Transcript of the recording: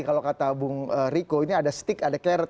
kalau kata bung riko ini ada stick ada carrot